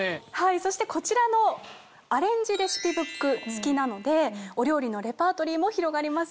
そしてこちらのアレンジレシピブック付きなのでお料理のレパートリーも広がりますよ。